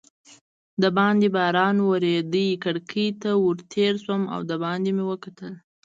باندې باران ورېده، کړکۍ ته ور تېر شوم او دباندې مې وکتل.